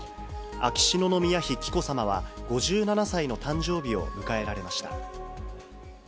秋篠宮妃紀子さまは、５７歳の誕生日を迎えられました。